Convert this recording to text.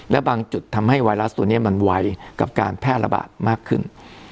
และบางจุดทำให้ไวรัสตัวนี้มันไวกับการแพร่ระบาดมากขึ้น